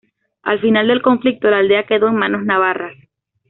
Al final del conflicto la aldea quedó en manos navarras.